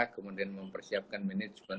kemudian mempersiapkan manajemen